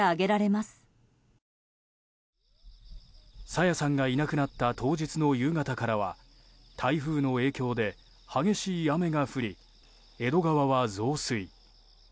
朝芽さんがいなくなった当日の夕方からは台風の影響で激しい雨が降り江戸川は増水。